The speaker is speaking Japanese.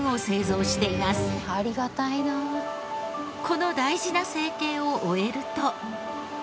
この大事な成形を終えると。